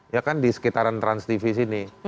ya kan di sekitaran transtv sini